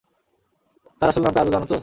তার আসল নামটা আদৌ জানো তো?